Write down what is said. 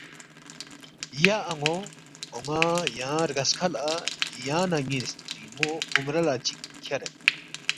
”یا ان٘و اون٘ا یانگ رگسکھہ لہ یانگ نہ ن٘ی سترِنگمو عمرہ لہ چِک کھیرید